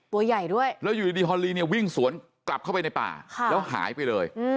ตัวใหญ่ด้วยแล้วอยู่ดีฮอลลีเนี่ยวิ่งสวนกลับเข้าไปในป่าแล้วหายไปเลย